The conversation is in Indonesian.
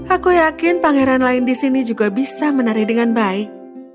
aku yakin pangeran lain di sini juga bisa menari dengan baik